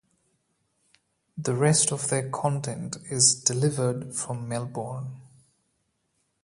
The rest of their content is delivered from Melbourne.